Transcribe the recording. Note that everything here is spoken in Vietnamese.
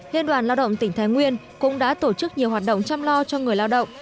liên đoàn lao động tỉnh thái nguyên cũng đã tổ chức nhiều hoạt động chăm lo cho người lao động